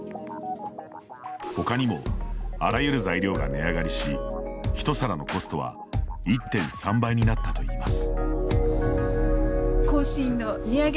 他にもあらゆる材料が値上がりしひと皿のコストは１．３倍になったといいます。